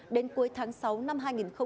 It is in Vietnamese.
đến cuối tháng sáu năm hai nghìn hai mươi